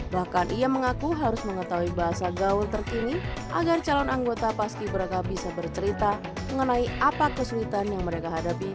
bahkan ia mengaku harus mengetahui bahasa gaul terkini agar calon anggota paski beraka bisa bercerita mengenai apa kesulitan yang mereka hadapi